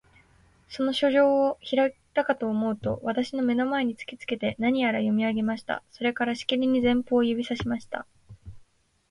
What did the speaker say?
その書状をひろげたかとおもうと、私の眼の前に突きつけて、何やら読み上げました。それから、しきりに前方を指さしました。